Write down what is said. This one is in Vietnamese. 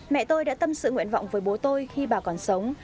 mẹ tôi đã tâm sự nguyện vọng với bố tôi khi bà còn sống